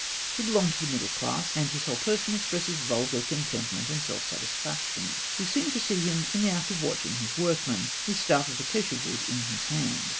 He belonged to the middle class; and his whole person expresses vulgar contentment and self satisfaction. We seem to see him in the act of watching his workmen, his staff of acacia wood in his hand.